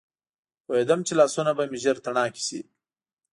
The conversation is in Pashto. پوهېدم چې لاسونه به مې ژر تڼاکي شي.